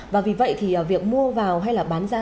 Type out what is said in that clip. và vì vậy thì việc mua vào hay là bán ra